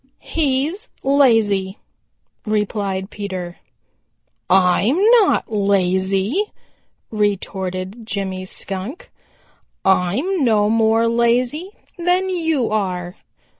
"He's lazy," replied Peter. "I'm not lazy," retorted Jimmy Skunk. "I'm no more lazy than you are.